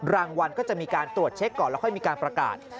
รางวัลก็จะมีการตรวจเช็คก่อนแล้วค่อยมีการประกาศ